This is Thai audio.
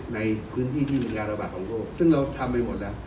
ในพื้นที่ที่มีการระบาดของโรคซึ่งเราทำไปหมดแล้ว